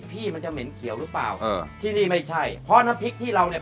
พี่มันจะเหม็นเขียวหรือเปล่าเออที่นี่ไม่ใช่เพราะน้ำพริกที่เราเนี่ย